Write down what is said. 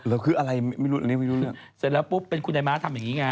เสร็จแล้วปุ๊บเป็นคุณไน้ม้าทำแบบนี้ไง